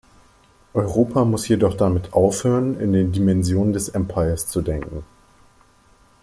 Europa muss jedoch damit aufhören, in den Dimensionen des Empires zu denken.